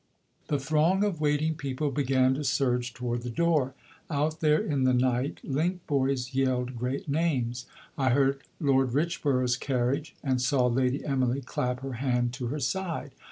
The throng of waiting people began to surge toward the door; out there in the night link boys yelled great names. I heard "Lord Richborough's carriage," and saw Lady Emily clap her hand to her side.